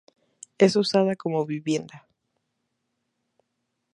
Es usada como vivienda.